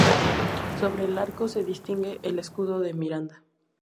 Sobre el arco se distingue el escudo de Miranda.